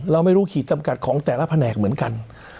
เราไม่รู้ขีดจำกัดของแต่ละแผนกเหมือนกัน